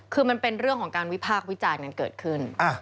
คือมันเป็นเรื่องของการวิพากษ์วิจารณ์กันเกิดขึ้น